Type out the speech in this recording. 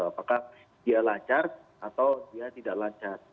apakah dia lancar atau dia tidak lancar